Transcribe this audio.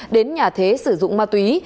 đến nhà thế sử dụng ma túy